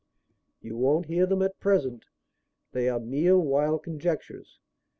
"You won't hear them at present. They are mere wild conjectures.